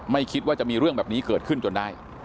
ไม่คิดว่าจะมีเรื่องแบบนี้เกิดขึ้นจนได้